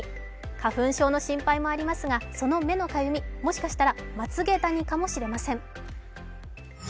花粉症の心配もありますが、その目のかゆみ、もしかしたらまつげダニかもしれません。